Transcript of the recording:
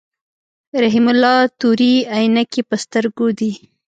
رحیم الله تورې عینکی په سترګو دي.